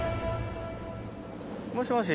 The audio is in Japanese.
もしもし。